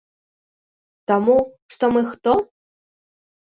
Таму што мы хто?